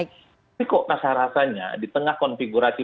tapi kok rasa rasanya di tengah konfigurasi